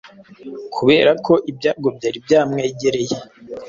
kubera ko ibyago byari byamwemereye